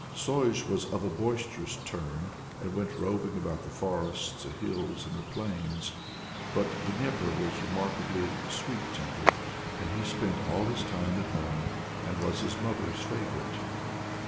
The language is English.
Sozh was of a boisterous turn, and went roving about the forests, the hills, and the plains; but Dnieper was remarkably sweet tempered, and he spent all his time at home, and was his mother's favorite.